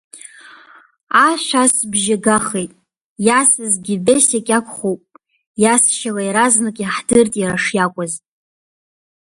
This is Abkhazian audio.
Ашә асбжьы гахит, иасызгьы Бесик иакәхуп иасшьала иаразнак иаҳдырт иара шиакәыз.